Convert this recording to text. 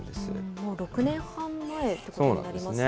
もう６年半前ということになりますよね。